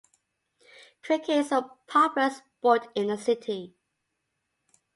Cricket is a popular sport in the city.